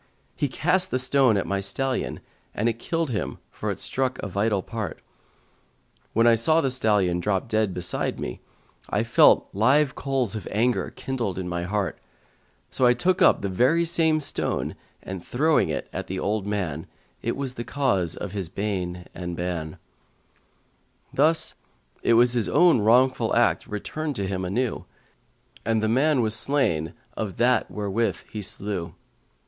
He cast the stone at my stallion, and it killed him for it struck a vital part. When I saw the stallion drop dead beside me, I felt live coals of anger kindled in my heart; so I took up the very same stone and throwing it at the old man, it was the cause of his bane and ban: thus his own wrongful act returned to him anew, and the man was slain of that wherewith he slew.